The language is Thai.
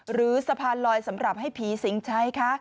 หรือสะพานลอยสำหรับให้ผีสิงใช้คะ